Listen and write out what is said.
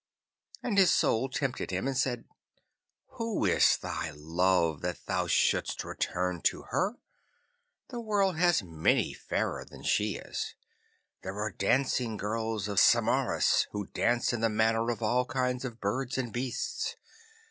And his Soul tempted him and said, 'Who is thy love, that thou shouldst return to her? The world has many fairer than she is. There are the dancing girls of Samaris who dance in the manner of all kinds of birds and beasts.